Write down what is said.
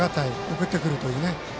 送ってくるというね。